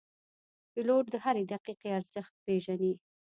پیلوټ د هرې دقیقې ارزښت پېژني.